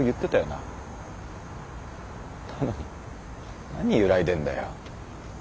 なのに何揺らいでんだよ。